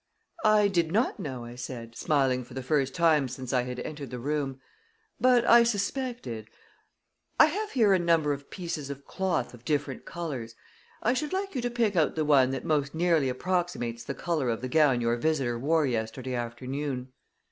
"I did not know," I said, smiling for the first time since I had entered the room. "But I suspected. I have here a number of pieces of cloth of different colors. I should like you to pick out the one that most nearly approximates the color of the gown your visitor wore yesterday afternoon."